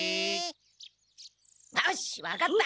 よしわかった！